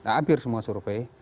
hampir semua survei